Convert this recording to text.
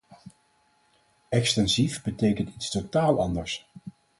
Extensief betekend iets totaal anders.